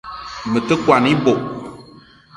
Me te kwan ebog